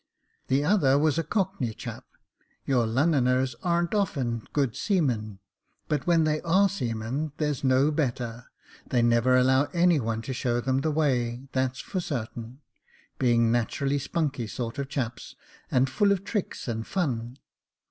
The other was a cockney chap. Your Lunnuners arn't often good seamen ; but when they are seamen, there's no better ; they never allow anyone to show them the way, that's for sartain, being naturally spunky sort of chaps, and full of tricks and fun.